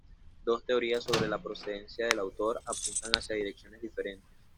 Dos teorías sobre la procedencia del autor apuntan hacia direcciones diferentes.